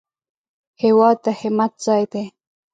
هېواد د همت ځای دی